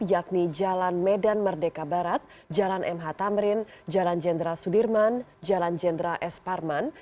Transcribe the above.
yakni jalan medan merdeka barat jalan mh tamrin jalan jenderal sudirman jalan jenderal s parman